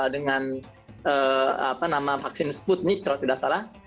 dengan vaksin sputnik kalau tidak salah